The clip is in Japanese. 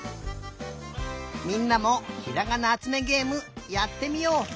みんなも「ひらがなあつめげえむ」やってみよう。